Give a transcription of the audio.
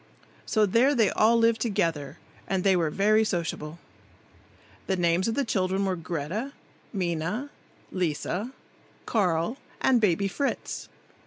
So there they all lived together, and they were very sociable. The names of the children were Greta, Minna, Lisa, Carl and Baby Fritz.